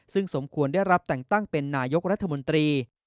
ซึ่งสมควรได้รับแต่งตั้งเป็นนายกรัฐมนตรี